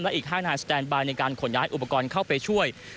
อีก๕นายสแตนบายในการขนย้ายอุปกรณ์เข้าไปช่วย